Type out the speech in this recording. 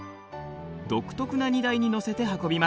独特な荷台に載せて運びます。